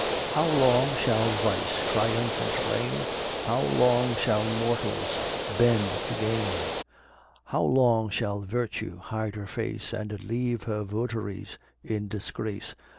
How long shall vice triumphant reign? How long shall mortals bend to gain? How long shall virtue hide her face, And leave her votaries in disgrace?